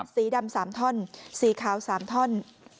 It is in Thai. สีดำสามท่อนสีขาวสามท่อน